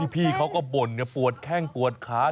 พี่เขาก็บ่นปวดแข้งปวดขา